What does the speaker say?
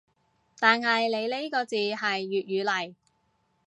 但係你呢個字係粵語嚟